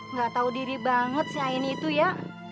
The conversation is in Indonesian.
nggak tahu diri banget si aini itu ya